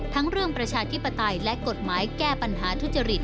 ทั้งเรื่องประชาธิปไตยและกฎหมายแก้ปัญหาทุจริต